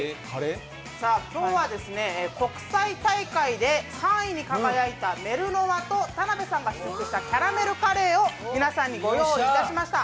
今日は国際大会で３位に輝いたメルノワと田辺さんが試食したキャラメルカレーを皆さんにご用意しました。